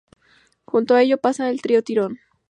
Junto a ella pasa el río Tirón.